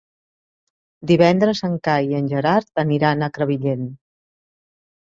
Divendres en Cai i en Gerard aniran a Crevillent.